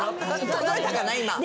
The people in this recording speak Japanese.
届いたかな今。